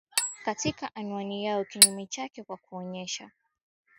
katika anwani yao Kinyume chake kwa kuonyesha